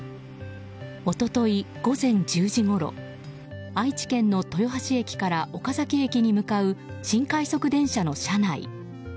一昨日、午前１０時ごろ愛知県の豊橋駅から岡崎駅に向かう新快速電車の車内。